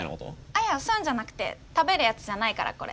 あっいやそういうんじゃなくて食べるやつじゃないからこれ。